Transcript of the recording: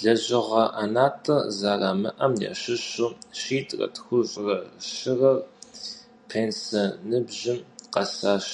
Лэжьыгъэ ӏэнатӏэ зэрамыӏэм ящыщу щитӏрэ тхущӏрэ щырэр пенсэ ныбжьым къэсащ.